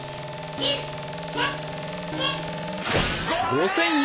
５，０００円！